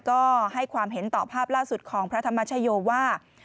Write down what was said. ก็ให้ความเห็นต่อภาพล่าสุดของพระธรรมชโยว่า